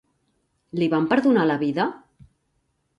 Li van perdonar la vida?